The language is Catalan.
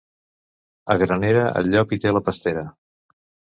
A Granera, el llop hi té la pastera.